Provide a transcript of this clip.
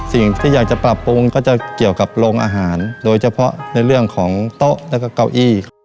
สิ่งที่อยากจะปรับปรุงก็จะเกี่ยวกับโรงอาหารโดยเฉพาะในเรื่องของโต๊ะแล้วก็เก้าอี้